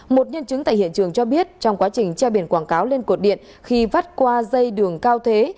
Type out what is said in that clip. một nhân chứng tại hiện trường cho biết trong quá trình treo biển quảng cáo lên cột điện khi vắt qua dây đường cao thế